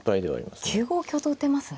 ９五香と打てますね。